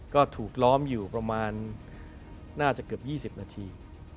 ก็ถูกล้อมอยู่ประมาณน่าจะเกือบ๒๐นาที